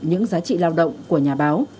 những giá trị lao động của nhà báo